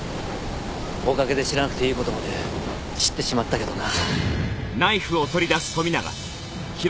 おかげで知らなくていい事まで知ってしまったけどな。